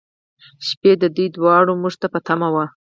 شپې، دوی دواړه موږ ته په تمه و.